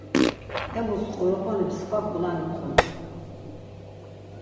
Emus qoroponi mskva ǩulani uqonun.